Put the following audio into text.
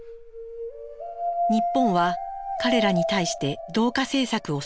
日本は彼らに対して同化政策を進めます。